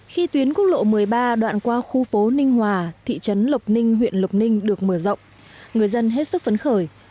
khi tuyến quốc lộ một mươi ba đoạn qua khu phố ninh hòa thị trấn lộc ninh huyện lộc ninh được mở rộng người dân hết sức phấn khởi